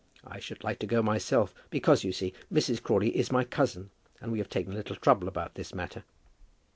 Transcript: I should like to go myself, because, you see, Mrs. Crawley is my cousin, and we have taken a little trouble about this matter."